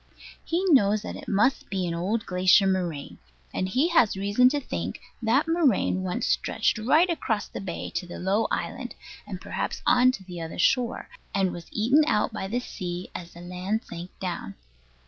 He knows that it must be an old glacier moraine; and he has reason to think that moraine once stretched right across the bay to the low island, and perhaps on to the other shore, and was eaten out by the sea as the land sank down.